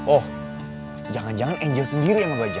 oh jangan jangan angel sendiri yang ngebaca